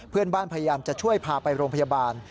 เพื่อนบ้านพยายามจะช่วยพาไปโรงพยาบาล